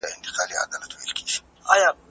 خدای ورکړی